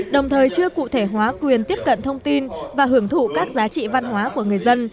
đồng thời chưa cụ thể hóa quyền tiếp cận thông tin và hưởng thụ các giá trị văn hóa của người dân